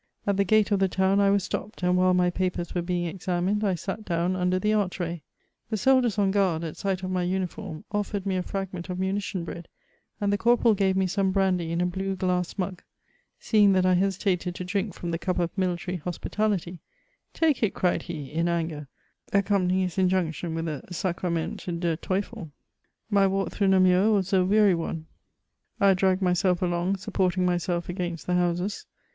At the gate of the town I i was stopped, and while my papers were being examined, I sat down under the archway. The soldiers on guard, at sight of my uniform, offered me a fragment of munition bread, and the corporal gave me some brandy in a blue glass mug; seeing that I hesitated to drink from the cup of military hospitality, ''Take it," cried he, in anger, accompanying lus injunction with a Sacrament der Teufel, My walk through Namur was a weary one ; I dragged myself * along, supporting myself against the houses.